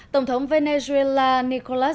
tổng thống venezuela nicolás